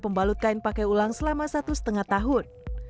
pembalut kain pakai ulang selama satu lima tahun